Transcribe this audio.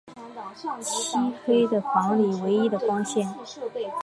漆黑的房里唯一的光线